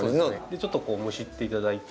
ちょっとむしって頂いて。